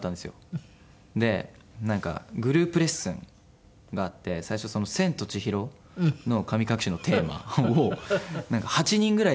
でなんかグループレッスンがあって最初『千と千尋の神隠し』のテーマを８人ぐらいで弾いてるんですよ